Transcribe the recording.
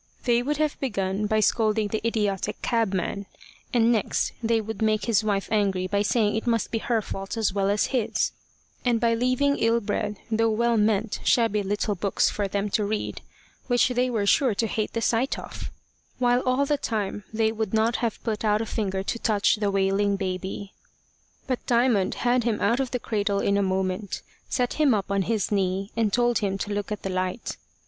They would have begun by scolding the idiotic cabman; and next they would make his wife angry by saying it must be her fault as well as his, and by leaving ill bred though well meant shabby little books for them to read, which they were sure to hate the sight of; while all the time they would not have put out a finger to touch the wailing baby. But Diamond had him out of the cradle in a moment, set him up on his knee, and told him to look at the light.